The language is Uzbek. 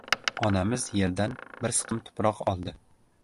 Onamiz yerdan bir siqim tuproq oldi.